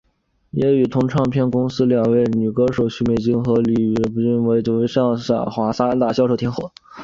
也与同期唱片公司两位女歌手许美静和李翊君誉为上华三大销售天后。